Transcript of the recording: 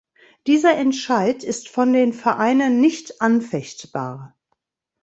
Dieser Entscheid ist von den Vereinen nicht anfechtbar.